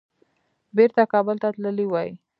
بیرته کابل ته تللي وای.